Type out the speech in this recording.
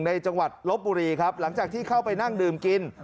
จังหวัดลบบุรีครับหลังจากที่เข้าไปนั่งดื่มกิน